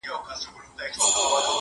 زما د نصیب جامونه څرنګه نسکور پاته دي-